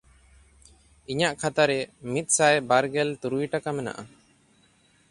ᱤᱧᱟᱜ ᱠᱷᱟᱛᱟ ᱨᱮ ᱢᱤᱫᱥᱟᱭ ᱵᱟᱨᱜᱮᱞ ᱛᱩᱨᱩᱭ ᱴᱟᱠᱟ ᱢᱮᱱᱟᱜᱼᱟ᱾